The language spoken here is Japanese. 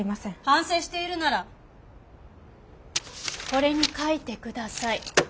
反省しているならこれに書いて下さい。